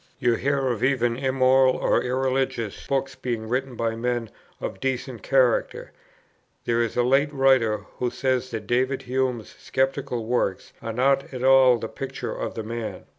You hear of even immoral or irreligious books being written by men of decent character; there is a late writer who says that David Hume's sceptical works are not at all the picture of the man.